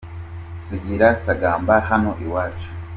Sugira sagamba hano iwacu